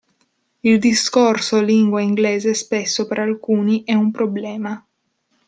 Il discorso lingua inglese spesso per alcuni è un problema.